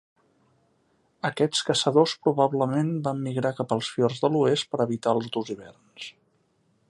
Aquests caçadors probablement van migrar cap als fiords de l'oest per evitar els durs hiverns.